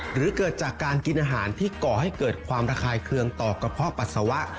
หรือเกิดจากการกินอาหารที่ก่อให้เกิดความระคายเคืองต่อกระเพาะปัสสาวะ